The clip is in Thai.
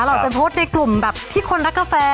เราจะโพสต์ในกลุ่มแบบที่คนรักกาแฟ